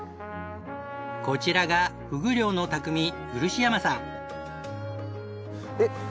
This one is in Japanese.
こちらがフグ漁の匠漆山さん。